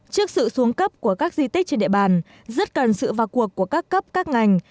trước sự xuống cấp của các di tích trên địa bàn rất cần sự vào cuộc của các cấp các ngành